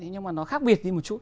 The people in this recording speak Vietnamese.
nhưng mà nó khác biệt đi một chút